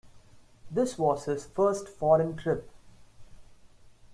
This was his first foreign trip.